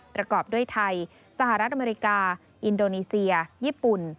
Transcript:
ประกอบด้วยไทยสหรัฐอเมริกาอินโดนีเซียญี่ปุ่น